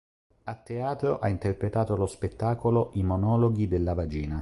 A teatro, ha interpretato lo spettacolo "I monologhi della vagina".